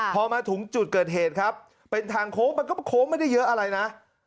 พอมาถึงจุดเกิดเหตุครับเป็นทางโค้งมันก็โค้งไม่ได้เยอะอะไรนะ